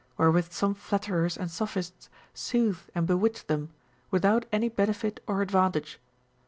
wherewith some flatterers and Sophists soothe and bewitch them, without any benefit or advantage.